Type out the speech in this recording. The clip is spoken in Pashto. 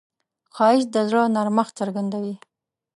ښایست د زړه نرمښت څرګندوي